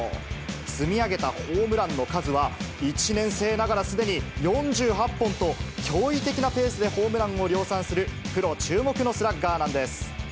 積み上げたホームランの数は１年生ながら、すでに４８本と、驚異的なペースでホームランを量産する、プロ注目のスラッガーなんです。